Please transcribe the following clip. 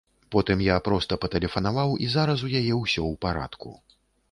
Потым я проста патэлефанаваў, і зараз у яе ўсё ў парадку.